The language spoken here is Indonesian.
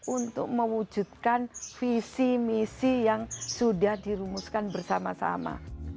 untuk mewujudkan visi misi yang sudah dirumuskan bersama sama